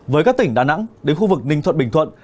với các tỉnh đà nẵng đến khu vực ninh thuận bình thuận